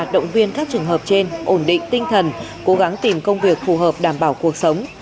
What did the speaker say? động viên các trường hợp trên ổn định tinh thần cố gắng tìm công việc phù hợp đảm bảo cuộc sống